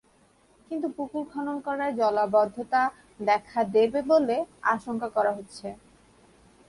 কিন্তু পুকুর খনন করায় জলাবদ্ধতা দেখা দেবে বলে আশঙ্কা করা হচ্ছে।